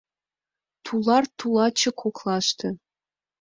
Тулар-тулаче коклаште.